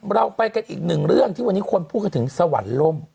เราไปกันอีกหนึ่งเรื่องที่วันนี้คนพูดกันถึงสวรรค์ล่ม